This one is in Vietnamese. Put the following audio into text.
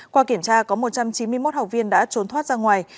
qua kiểm tra có một trăm chín mươi một học viên đã trốn thoát ra ngoài